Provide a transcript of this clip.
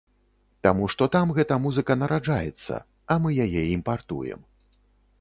Таму што там гэта музыка нараджаецца, а мы яе імпартуем.